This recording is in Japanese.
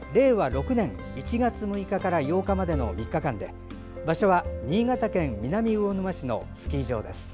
６年１月６日から８日までの３日間で場所は新潟県南魚沼市のスキー場です。